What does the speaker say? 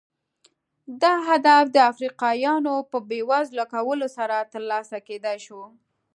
دا هدف د افریقایانو په بېوزله کولو سره ترلاسه کېدای شو.